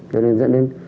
cho nên dẫn đến